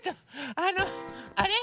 あのあれ？